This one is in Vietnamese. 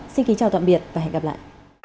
xin kính chào tạm biệt và hẹn gặp lại